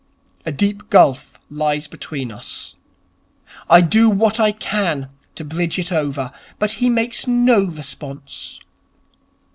A deep gulf lies between us. I do what I can do to bridge it over, but he makes no response.